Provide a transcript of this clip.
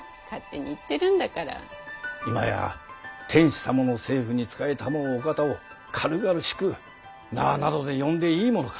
今や天子様の政府に仕え給うお方を軽々しく名などで呼んでいいものか。